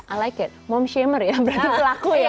i like it mom shamer ya berarti pelaku ya